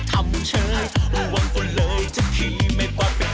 โทษนะนี่แม่คาใช่ไหมผีฟ้าเลยครับเนี่ย